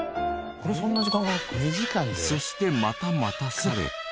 そしてまた待たされて。